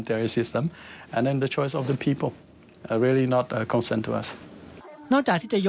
กลุ่มฟังคุยได้ได้